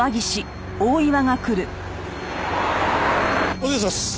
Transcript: お願いします。